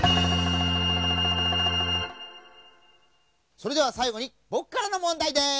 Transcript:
それではさいごにぼくからのもんだいです！